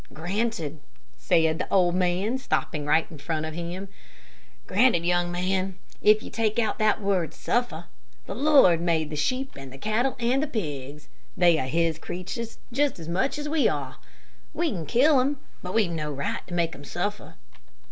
"Granted," said the old man, stopping right in front of him. "Granted, young man, if you take out that word suffer. The Lord made the sheep, and the cattle, and the pigs. They are his creatures just as much as we are. We can kill them, but we've no right to make them suffer."